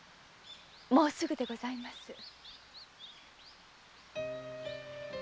もうすぐでございます。